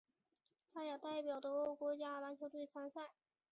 他也代表德国国家篮球队参赛。